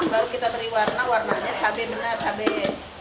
kemudian kita tarik warna warnanya cabai benar